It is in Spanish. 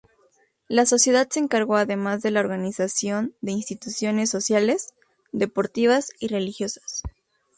La sociedad se encargó además de la organización de instituciones sociales, deportivas y religiosas.